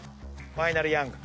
ファイナルヤング。